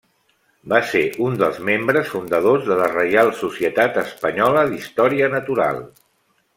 Va ser un dels membres fundadors de la Reial Societat Espanyola d'Història Natural.